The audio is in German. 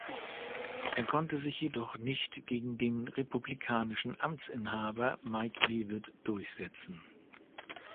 Er konnte sich jedoch nicht gegen den republikanischen Amtsinhaber Mike Leavitt durchsetzen.